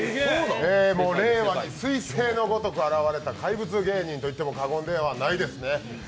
令和にすい星のごとく現れた怪物芸人と言っても過言ではないですね。